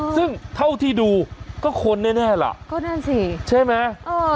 ซึ่งเท่าที่ดูก็ขนแน่หรือเปล่าใช่ไหมก็นั่นสิ